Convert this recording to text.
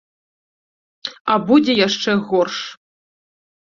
А будзе яшчэ горш.